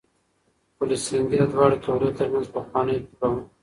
پل سنګي د دواړو قبيلو ترمنځ پخوانۍ پوله وه.